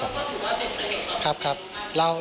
คือว่าเป็นประโยชน์ของทุกชาตาง